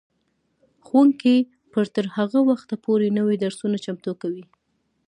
ښوونکي به تر هغه وخته پورې نوي درسونه چمتو کوي.